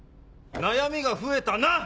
悩みが増えたなっ！